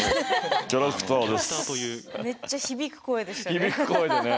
めっちゃ響く声でしたね。